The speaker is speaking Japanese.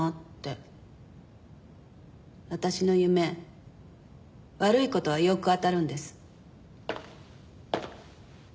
私の夢悪い事はよく当たるんです。